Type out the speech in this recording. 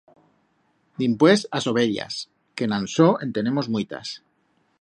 Dimpués as ovellas, que en Ansó en tenemos muitas.